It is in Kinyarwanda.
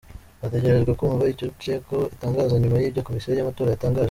Hategerejwe kumva icyo Cenco itangaza nyuma y’ibyo Komisiyo y’amatora yatangaje.